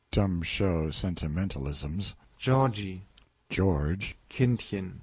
(Dumb show sentimentalisms.) Georgie GEO. Kindchen! M.